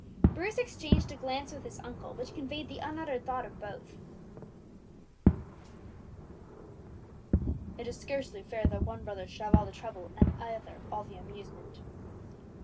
Bruce exchanged a glance with his uncle which conveyed the unuttered thought of both: "It is scarcely fair that one brother should have all the trouble and the other all the amusement."